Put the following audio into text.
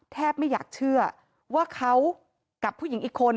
ไม่อยากเชื่อว่าเขากับผู้หญิงอีกคน